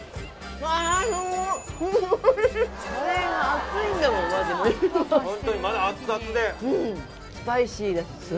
うんスパイシーです。